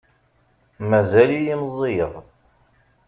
Mazal-iyi meẓẓiyeɣ.